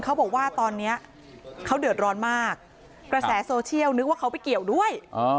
เขาบอกว่าตอนนี้เขาเดือดร้อนมากกระแสโซเชียลนึกว่าเขาไปเกี่ยวด้วย